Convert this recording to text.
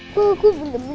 gue belum lihat adik askara